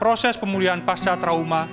proses pemulihan pasca trauma